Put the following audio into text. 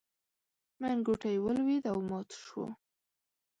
منګوټی ولوېد او مات شو.